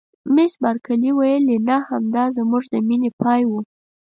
مس بارکلي: ولې نه؟ همدای زموږ د مینې پای و.